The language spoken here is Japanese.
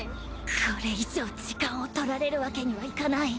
これ以上時間を取られるわけにはいかない。